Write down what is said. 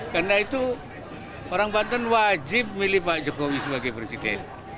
karena itu orang banten wajib milih pak jokowi sebagai presiden